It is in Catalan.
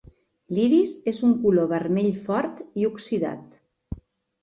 L"iris es un color vermell fort i oxidat.